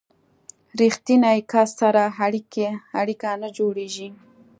ریښتیني کس سره اړیکه نه جوړیږي.